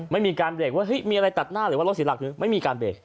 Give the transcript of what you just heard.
ไม่มีการเบรกว่าเฮ้ยมีอะไรตัดหน้าหรือว่ารถเสียหลักหรือไม่มีการเบรก